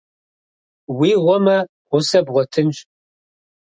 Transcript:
Уи гъуэмэ, гъусэ бгъуэтынщ.